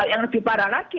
yang lebih parah lagi